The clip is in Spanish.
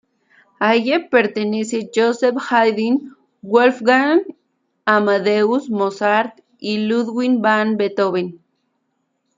A ella pertenecen Joseph Haydn, Wolfgang Amadeus Mozart y Ludwig van Beethoven.